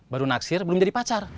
baru naksir belum jadi pacar